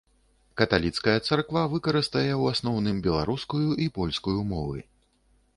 Каталіцкая царква выкарыстае ў асноўным беларускую і польскую мовы.